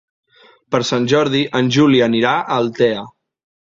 Per Sant Jordi en Juli anirà a Altea.